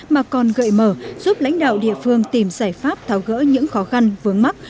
mà còn gợi mở giúp lãnh đạo địa phương tìm giải pháp tháo gỡ những khó khăn vướng mắt